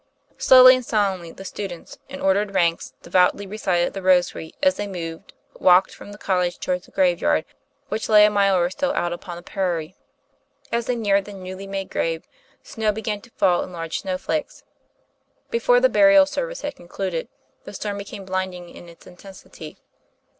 Slowly and solemnly the students, in ordered ranks, devoutly reciting the rosary as they moved, walked from the college toward the graveyard, which lay a mile or so out upon the prairie. As they neared the newly made grave, snow began to fall in large flakes. Before the burial services had concluded the storm became blinding in its intensity.